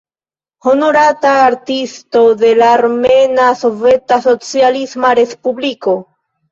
Honorata Artisto de la Armena Soveta Socialisma Respubliko.